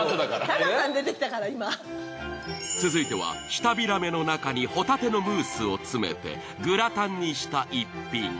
続いては舌平目の中にホタテのムースを詰めてグラタンにした逸品。